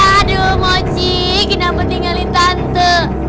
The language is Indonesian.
aduh mochi kenapa tinggalin tante